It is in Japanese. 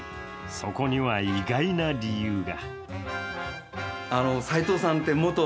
そこには意外な理由が。